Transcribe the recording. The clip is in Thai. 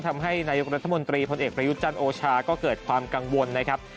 ทำให้นายกรัฐมนตรีพลเอกประยุทธ์จันทร์โอชาก็เกิดความกังวลนะครับ